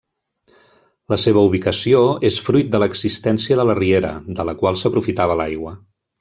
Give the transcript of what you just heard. La seva ubicació és fruit de l'existència de la riera, de la qual s'aprofitava l'aigua.